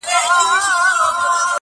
دا نه په توره نه په زور وځي له دغه ښاره,